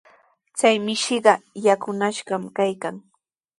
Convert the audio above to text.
Chay mishiqa yakunashqami kaykan.